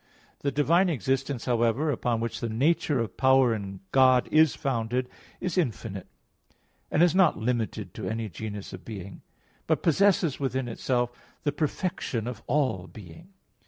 The divine existence, however, upon which the nature of power in God is founded, is infinite, and is not limited to any genus of being; but possesses within itself the perfection of all being.